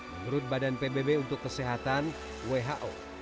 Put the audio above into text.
menurut badan pbb untuk kesehatan who